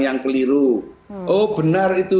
yang keliru oh benar itu